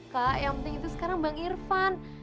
kak yang penting itu sekarang bang irfan